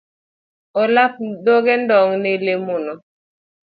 Olap dhogi ndong ne lemono.